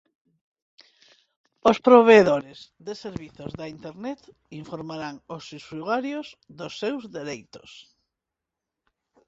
Os provedores de servizos da internet informarán os usuarios dos seus dereitos.